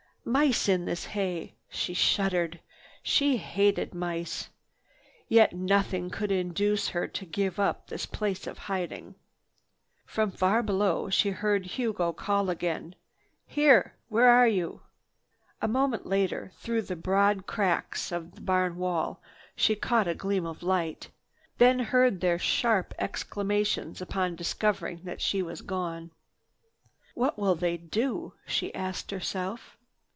"Mice in this hay!" She shuddered. She hated mice; yet nothing could induce her to give up this place of hiding. From far below she heard Hugo call again: "Here! Where are you?" A moment later, through the broad cracks of the barn wall she caught a gleam of light, then heard their sharp exclamations upon discovering that she was gone. "What will they do?" she asked herself.